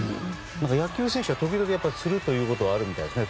野球選手は時々つることがあるみたいですね。